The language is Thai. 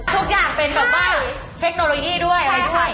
ทุกอย่างเป็นต่อใบเทคโนโลยีด้วยใช่ค่ะ